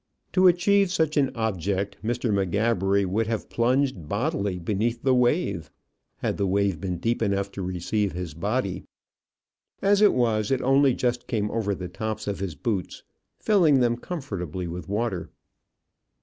To achieve such an object, Mr. M'Gabbery would have plunged bodily beneath the wave had the wave been deep enough to receive his body. As it was, it only just came over the tops of his boots, filling them comfortably with water.